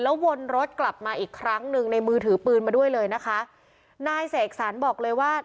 วนรถกลับมาอีกครั้งหนึ่งในมือถือปืนมาด้วยเลยนะคะนายเสกสรรบอกเลยว่า